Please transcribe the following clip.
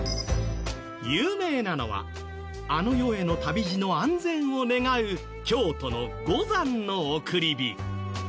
有名なのはあの世への旅路の安全を願う京都の「五山の送り火」。